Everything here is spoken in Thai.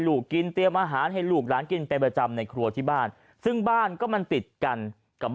ลูกกินเตรียมอาหารให้ลูกหลานกินเป็นประจำในครัวที่บ้านซึ่งบ้านก็มันติดกันกับ